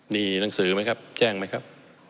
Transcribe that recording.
นี่นังสือมั้ยครับแจ้งมั้ยครับ